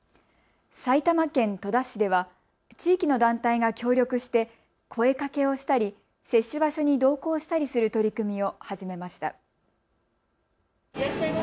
埼玉県戸田市では地域の団体が協力して声かけをしたり接種場所に同行したりする取り組みを始めました。